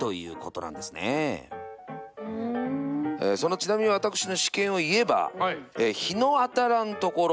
ちなみに私の私見を言えば「日の当たらんところ」